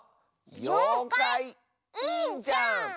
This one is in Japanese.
「ようかいいいじゃん」！